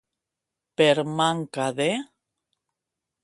Per manca de.